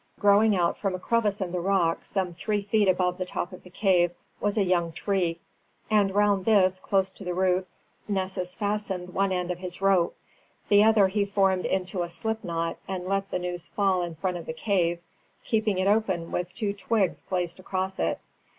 Growing out from a crevice in the rock, some three feet above the top of the cave, was a young tree; and round this, close to the root, Nessus fastened one end of his rope, the other he formed into a slip knot and let the noose fall in front of the cave, keeping it open with two twigs placed across it.